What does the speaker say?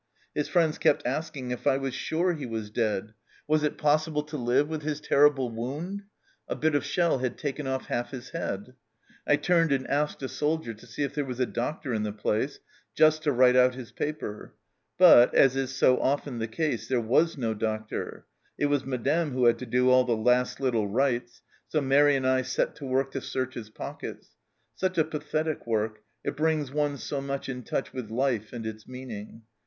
His friends kept asking if I was sure he was dead. Was it possible to live with his terrible wound ? A bit of shell had taken off half his head. I turned and asked a soldier to see if there was a doctor in the place, just to write out his paper ; but, as is so often the case, there was no doctor : it was ' Madame ' who had to do all the last little rites, so Mairi and I set to work to search his pockets such a pathetic work, it brings one so much in touch with Life and its meaning.